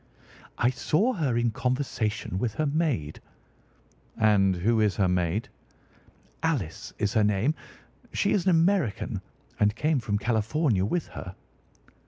"I saw her in conversation with her maid." "And who is her maid?" "Alice is her name. She is an American and came from California with her."